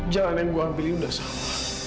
jalan yang gue ambil ini udah sama